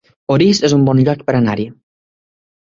Orís es un bon lloc per anar-hi